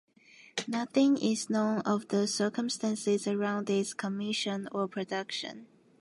Nothing is known of the circumstances around its commission or production.